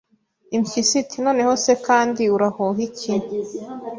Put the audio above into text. Impyisi, iti noneho se kandi urahuha iki